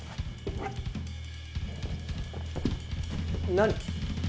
何。